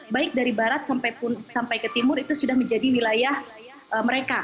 baik dari barat sampai ke timur itu sudah menjadi wilayah mereka